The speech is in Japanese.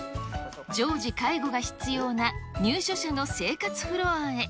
常時介護が必要な入所者の生活フロアへ。